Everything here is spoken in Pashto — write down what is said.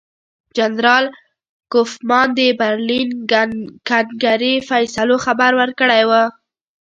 جنرال کوفمان د برلین کنګرې فیصلو خبر ورکړی وو.